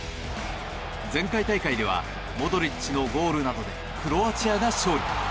前回大会ではモドリッチのゴールなどでクロアチアが勝利。